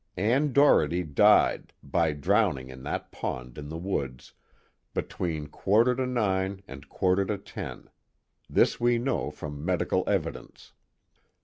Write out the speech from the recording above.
"Ann Doherty died, by drowning in that pond in the woods, between quarter to nine and quarter to ten; this we know from medical evidence.